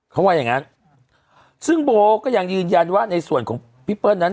เขาว่าอย่างงั้นซึ่งโบก็ยังยืนยันว่าในส่วนของพี่เปิ้ลนั้น